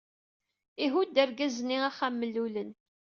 Ihudd urgaz-nni axxam mellulen.